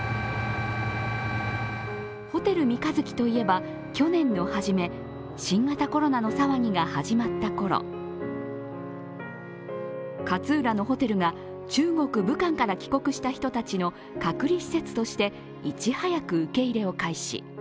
ホテル三日月といえば去年のはじめ新型コロナの騒ぎが始まったころ、勝浦のホテルが中国・武漢から帰国した人たちの隔離施設としていち早く受け入れを開始。